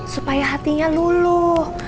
supaya hatinya luluh